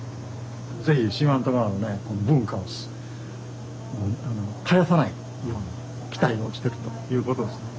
是非四万十川のねこの文化を絶やさないように期待をしてるということですね。